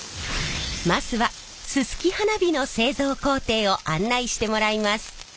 まずはすすき花火の製造工程を案内してもらいます。